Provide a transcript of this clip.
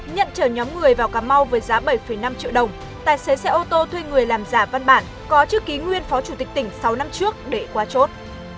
nhận chở nhóm người vào cà mau với giá bảy năm triệu đồng tài xế xe ô tô thuê người làm giả văn bản có chữ ký nguyên phó chủ tịch tỉnh sáu năm trước để qua chốt